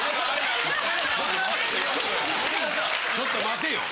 ちょっと待てよ。